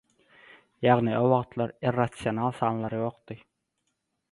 Ýagny o wagtlar irrasional sanlar ýokdy.